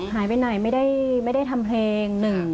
หายไปไหนไม่ได้ไม่ได้ทำเพลงหนึ่ง